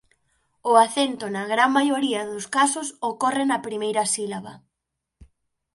O acento na gran maioría dos casos ocorre na primeira sílaba.